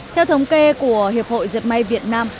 theo thống kê của hiệp hội dẹp may việt nam